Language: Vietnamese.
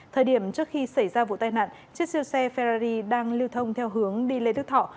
thời điểm trước khi xảy ra vụ tai nạn chiếc siêu xe ferrari đang lưu thông theo hướng đi lê đức thọ